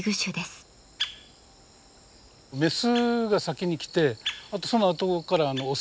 メスが先に来てそのあとからオス。